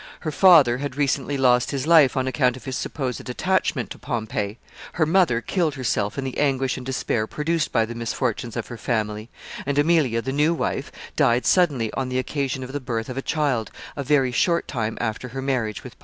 Her father had recently lost his life on account of his supposed attachment to Pompey. Her mother killed herself in the anguish and despair produced by the misfortunes of her family; and Aemilia the new wife, died suddenly, on the occasion of the birth of a child, a very short time after her marriage with Pompey.